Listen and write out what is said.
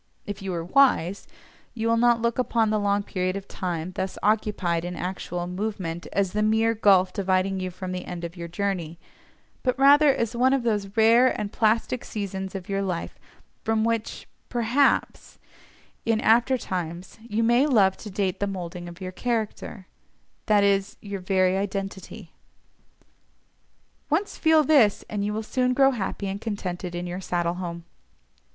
If you are wise, you will not look upon the long period of time thus occupied in actual movement as the mere gulf dividing you from the end of your journey, but rather as one of those rare and plastic seasons of your life from which, perhaps, in after times you may love to date the moulding of your character—that is, your very identity. Once feel this, and you will soon grow happy and contented in your saddle home.